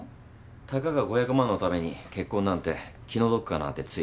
たかが５００万のために結婚なんて気の毒かなってつい。